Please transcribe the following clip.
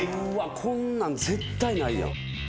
こんなん絶対ないやん。